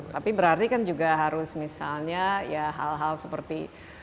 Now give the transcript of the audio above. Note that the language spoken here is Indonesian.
tapi berarti kan juga harus misalnya ya hal hal seperti